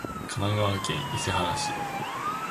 神奈川県伊勢原市